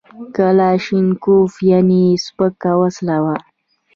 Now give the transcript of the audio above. کلاشینکوف یعنې سپکه وسله وه